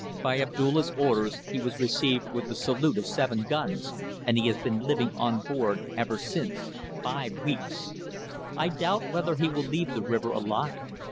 By Abdulla's orders he was received with a salute of seven guns, and he has been living on board ever since five weeks. I doubt whether he will leave the river alive.